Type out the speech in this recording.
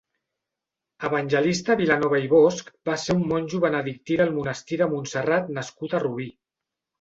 Evangelista Vilanova i Bosch va ser un monjo benedictí del monestir de Montserrat nascut a Rubí.